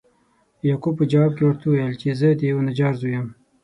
یعقوب په جواب کې ورته وویل چې زه د یوه نجار زوی یم.